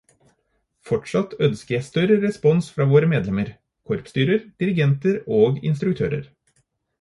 Fortsatt ønsker jeg større respons fra våre medlemmer, korpsstyrer, dirigenter og instruktører.